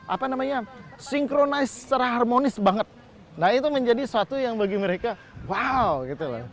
apa namanya sinkronis harmonis banget nah itu menjadi satu yang bagi mereka wow gitu